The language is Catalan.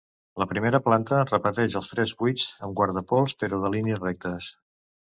La primera planta repeteix els tres buits amb guardapols, però de línies rectes.